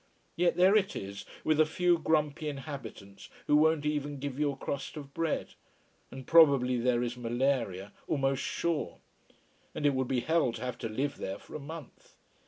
Yet there it is, with a few grumpy inhabitants who won't even give you a crust of bread. And probably there is malaria almost sure. And it would be hell to have to live there for a month.